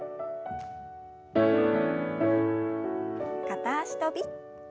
片脚跳び。